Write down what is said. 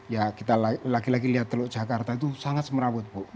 ya kita lagi lagi lihat teluk jakarta itu sangat semerawut bu